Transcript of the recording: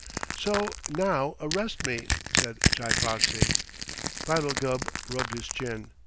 "So now arrest me," said Chi Foxy. Philo Gubb rubbed his chin.